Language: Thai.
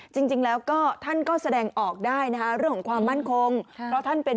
สรุปจบแล้วนะเรื่องเล่น